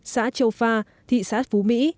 xã châu pha thị xã phú mỹ